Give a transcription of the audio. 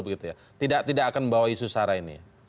begitu ya tidak akan membawa isu sara ini